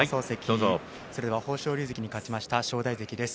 豊昇龍関に勝ちました正代関です。